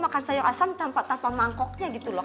makan sayur asam tanpa mangkoknya gitu loh